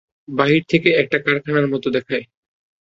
বাহিরে থেকে একটা কারখানার মতো দেখায়।